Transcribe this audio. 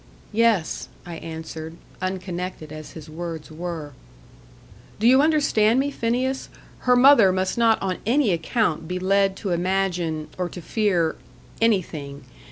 "Yes," I answered; unconnected as his words were. "Do you understand me, Phineas? Her mother must not on any account be led to imagine, or to fear anything.